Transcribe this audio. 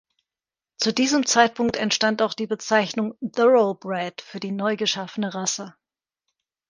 Zu diesem Zeitpunkt entstand auch die Bezeichnung "Thoroughbred" für die neu geschaffene Rasse.